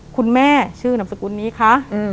คุณแม่ชื่อนามสกุลนี้คะ